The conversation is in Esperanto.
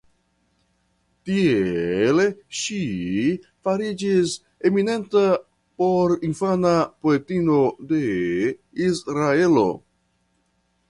Tiele ŝi fariĝis eminenta porinfana poetino de Israelo.